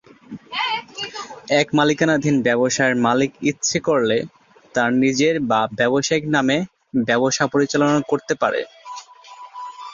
এক মালিকানাধীন ব্যবসার মালিক ইচ্ছে করলে তার নিজের বা ব্যবসায়িক নামে ব্যবসা পরিচালনা করতে পারেন।